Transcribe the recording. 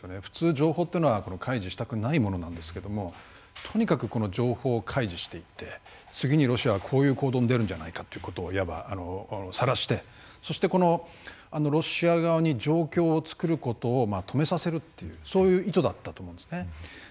普通情報っていうのは開示したくないものなんですけどもとにかくこの情報を開示していって次にロシアがこういう行動に出るんじゃないかっていうことをいわばさらしてそしてロシア側に状況を作ることをまあ止めさせるっていう意図だったと思うんですね。